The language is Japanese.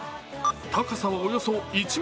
高さはおよそ１ｍ。